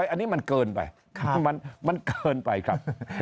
อันนี้มันเกินไปมันเกินไปครับ